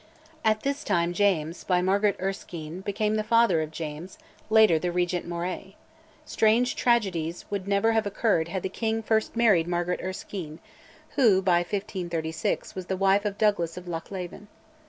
At this time James, by Margaret Erskine, became the father of James, later the Regent Moray. Strange tragedies would never have occurred had the king first married Margaret Erskine, who, by 1536, was the wife of Douglas of Loch Leven.